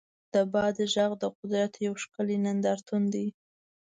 د باد غږ د قدرت یو ښکلی نندارتون دی.